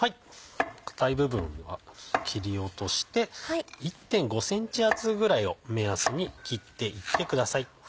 硬い部分は切り落として１．５ｃｍ厚ぐらいを目安に切っていってください。